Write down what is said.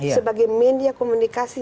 sebagai media komunikasi